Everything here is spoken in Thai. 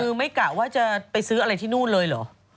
คือไม่กะว่าจะไปซื้ออะไรที่นู่นเลยเหรอ